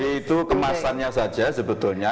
full day itu kemasannya saja sebetulnya